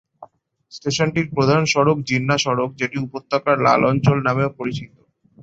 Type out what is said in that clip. স্টেশনটির প্রধান সড়ক জিন্নাহ সড়ক; যেটি উপত্যকার লাল অঞ্চল নামেও পরিচিত।